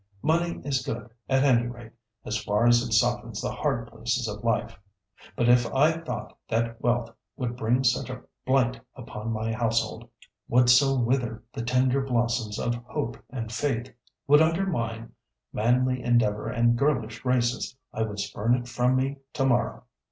Money is good, at any rate, as far as it softens the hard places of life; but if I thought that wealth would bring such a blight upon my household, would so wither the tender blossoms of hope and faith, would undermine manly endeavour and girlish graces, I would spurn it from me to morrow.